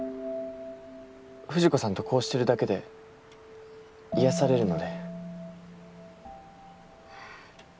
藤子さんとこうしてるだけで癒やされるので。